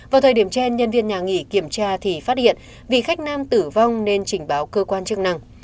vào thời điểm trên nhân viên nhà nghỉ kiểm tra thì phát hiện vì khách nam tử vong nên trình báo cơ quan chức năng